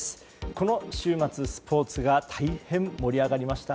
この週末スポーツが大変盛り上がりました。